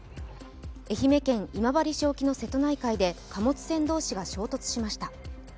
愛媛県今治市沖の瀬戸内海で貨物船同士が衝突しました。